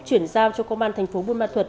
chuyển giao cho công an tp bùn ma thuật